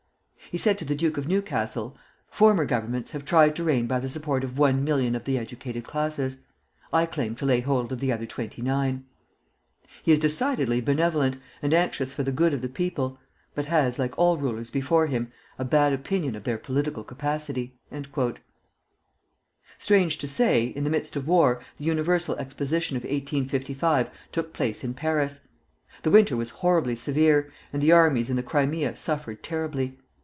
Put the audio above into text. He said to the Duke of Newcastle: 'Former Governments have tried to reign by the support of one million of the educated classes; I claim to lay hold of the other twenty nine.' He is decidedly benevolent, and anxious for the good of the people, but has, like all rulers before him, a bad opinion of their political capacity." Strange to say, in the midst of war the Universal Exposition of 1855 took place in Paris. The winter was horribly severe, and the armies in the Crimea suffered terribly.